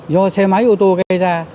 do xe máy ô tô gây ra